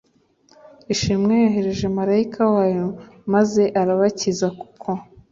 ishimwe yohereje marayika wayo maze arabakiza kuko